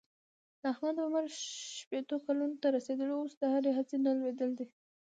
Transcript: د احمد عمر شپېتو کلونو ته رسېدلی اوس د هرې هڅې نه لوېدلی دی.